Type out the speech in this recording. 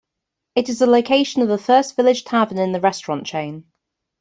It is the location of the first Village Tavern in the restaurant chain.